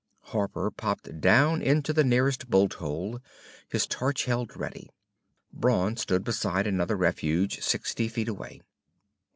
Harper popped down into the nearest bolt hole, his torch held ready. Brawn stood beside another refuge, sixty feet away.